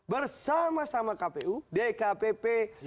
bersama sama kpu dkpp